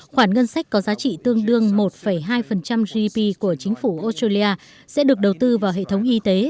khoản ngân sách có giá trị tương đương một hai gdp của chính phủ australia sẽ được đầu tư vào hệ thống y tế